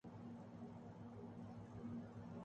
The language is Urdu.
اپنے چینلز کی ویڈیو بنانے کے لیے